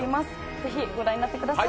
ぜひご覧になってください。